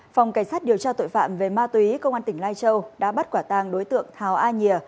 phòng cảnh sát điều tra tội phạm về ma túy công an tỉnh lai châu đã bắt quả tàng đối tượng thảo a nhìa